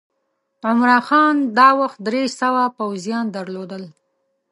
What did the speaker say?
عمرا خان دا وخت درې سوه پوځیان درلودل.